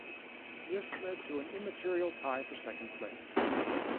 This led to an immaterial tie for second place.